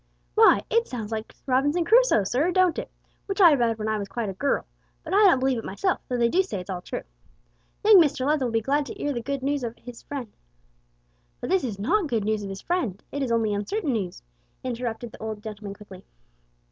'" "Why, it sounds like Robinson Crusoe, sir, don't it? which I read when I was quite a gurl, but I don't believe it myself though they do say it's all true. Young Mr Leather will be glad to 'ear the good noos of 'is friend " "But this is not good news of his friend; it is only uncertain news," interrupted the old gentleman quickly.